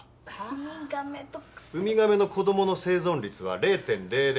ウミガメの子供の生存率は０．０００２％。